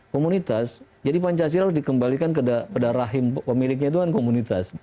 komunitas jadi pancasila harus dikembalikan pada rahim pemiliknya itu kan komunitas